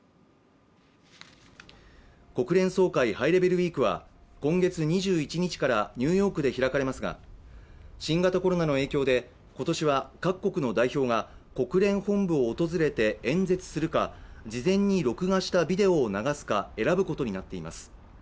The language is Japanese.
ウィークは今月２１日からニューヨークで開かれますが、新型コロナの影響で今年は各国の代表が国連本部を訪れて演説するか事前に録画したビデオを流すか選ぶことになっています。